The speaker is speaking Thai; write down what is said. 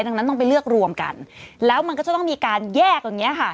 ดังนั้นต้องไปเลือกรวมกันแล้วมันก็จะต้องมีการแยกตรงนี้ค่ะ